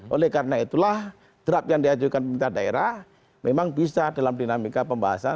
oleh karena itulah draft yang diajukan pemerintah daerah memang bisa dalam dinamika pembahasan